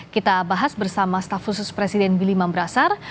kita bahas bersama stafusus presiden bili mambrasar